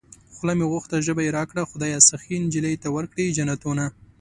خوله مې غوښته ژبه يې راکړه خدايه سخي نجلۍ ته ورکړې جنتونه